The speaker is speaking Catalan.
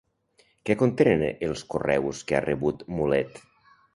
Què contenen els correus que ha rebut Mulet?